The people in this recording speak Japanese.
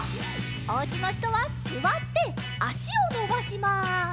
おうちのひとはすわってあしをのばします。